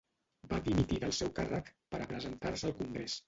Va dimitir del seu càrrec per a presentar-se al Congrés.